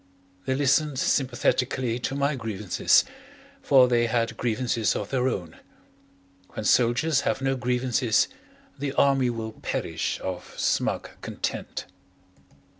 They listened sympathetically to my grievances, for they had grievances of their own. When soldiers have no grievances the Army will perish of smug content.